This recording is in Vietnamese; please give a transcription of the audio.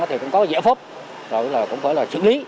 thì cũng có giải pháp rồi là cũng phải là xử lý